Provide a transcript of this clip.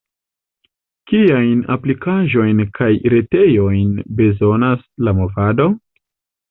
Kiajn aplikaĵojn kaj retejojn bezonas la movado?